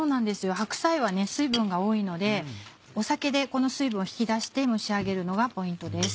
白菜は水分が多いので酒で水分を引き出して蒸し上げるのがポイントです。